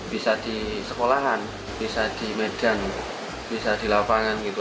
bisa di sekolahan bisa di medan bisa di lapangan gitu